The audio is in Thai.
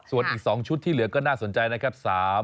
ส่วนอีก๒ชุดที่เหลือก็น่าสนใจนะครับ